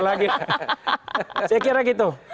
saya kira gitu